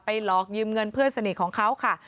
หลอกยืมเงินเพื่อนสนิทของเขาค่ะ